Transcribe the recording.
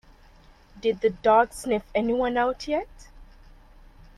Did the dog sniff anyone out yet?